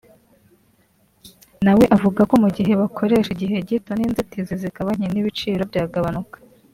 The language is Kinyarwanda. na we avuga ko mu gihe bakoresha igihe gito n’inzitizi zikaba nke n’ibiciro byagabanuka